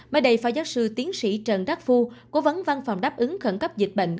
thầy phá giác sư tiến sĩ trần đắc phu cố vấn văn phòng đáp ứng khẩn cấp dịch bệnh